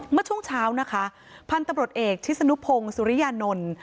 เมื่อช่วงเช้านะคะพันธุ์ตำรวจเอกชิศนุพงศุริยานนท์